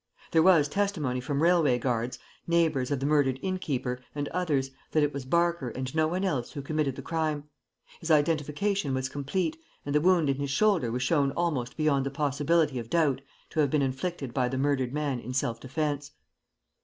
There was testimony from railway guards, neighbors of the murdered innkeeper, and others, that it was Barker and no one else who committed the crime. His identification was complete, and the wound in his shoulder was shown almost beyond the possibility of doubt to have been inflicted by the murdered man in self defence.